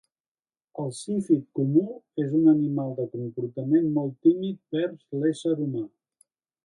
El zífid comú és un animal de comportament molt tímid vers l'ésser humà.